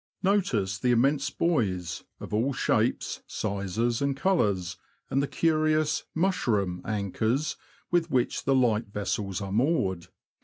Notice the immense buoys, of all shapes, sizes, and colours, and the curious '' mushroom " anchors, with which the light vessels are moored.